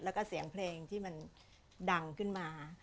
แล้วก็เสียงเพลงที่มันดังขึ้นมา